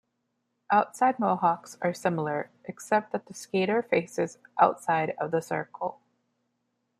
Outside mohawks are similar, except that the skater faces outside of the circle.